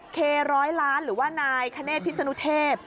เคร้อยล้านหรือว่านายคเนธพิศนุเทพ